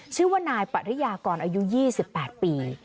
ชื่อว่านายปริยากรอายุ๒๘ปี